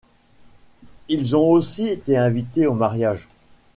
Ils ont aussi été invités au mariage.